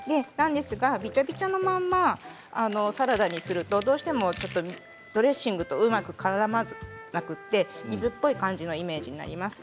びちゃびちゃのままサラダにすると、どうしてもドレッシングとうまくからまず水っぽい感じのイメージになります。